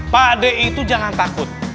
pak ade itu jangan takut